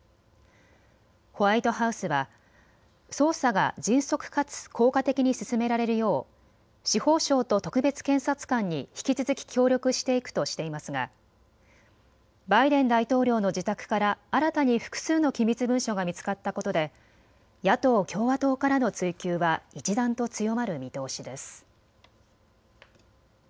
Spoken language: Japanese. ホワイトハウスは捜査が迅速かつ効果的に進められるよう司法省と特別検察官に引き続き協力していくとしていますがバイデン大統領の自宅から新たに複数の機密文書が見つかったことで野党・共和党からの追及は一段と強まる見通しです。